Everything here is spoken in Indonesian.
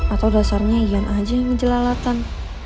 atau dasarnya ian aja yang ngejelalatan